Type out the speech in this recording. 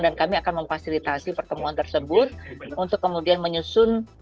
dan kami akan memfasilitasi pertemuan tersebut untuk kemudian menyusun